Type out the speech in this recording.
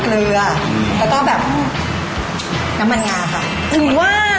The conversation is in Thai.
และก้าว่ามันน้ำมันงา